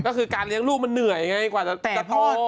ก็คือการเลี้ยงลูกมันเหนื่อยไงกว่าจะโต